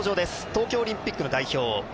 東京オリンピックの代表。